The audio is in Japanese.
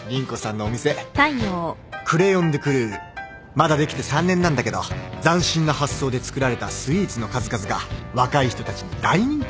まだできて３年なんだけど斬新な発想で作られたスイーツの数々が若い人たちに大人気でね。